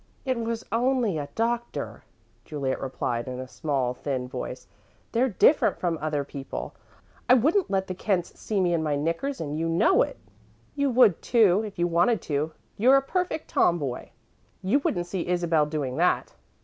"It was only a doctor," Juliet replied, in a small, thin voice. "They're different from other people. I wouldn't let the Kents see me in my knickers, and you know it." "You would, too, if you wanted to. You're a perfect tomboy. You wouldn't see Isabel doing that."